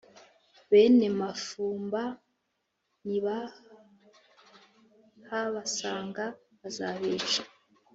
bene mafumba nibahabasanga bazabica